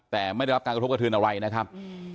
แต่ไม่ได้รับการกระทบกระเทือนอะไรนะครับ